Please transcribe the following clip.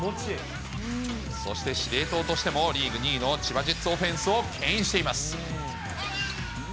そして司令塔としてもリーグ２位の千葉ジェッツオフェンスをけん引しています。